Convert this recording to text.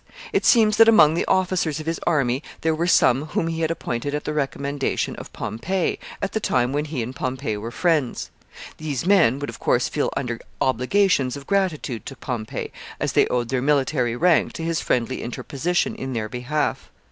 It seems that among the officers of his army there were some whom he had appointed at the recommendation of Pompey, at the time when he and Pompey were friends. These men would, of course, feel under obligations of gratitude to Pompey, as they owed their military rank to his friendly interposition in their behalf.